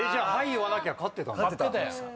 言わなきゃ勝ってたんだ。